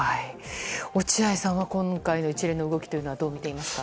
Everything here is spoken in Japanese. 落合さんは今回の一連の動きどう見ていますか？